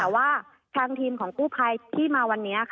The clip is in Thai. แต่ว่าทางทีมของกู้ภัยที่มาวันนี้